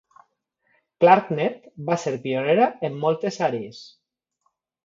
ClarkNet va ser pionera en moltes àrees.